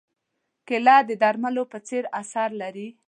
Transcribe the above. کېله د درملو په څېر اثر لري.